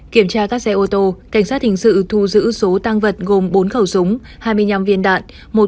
kiểm tra các xe ô tô cảnh sát hình sự thu giữ số tăng vật gồm bốn khẩu súng hai mươi năm viên đạn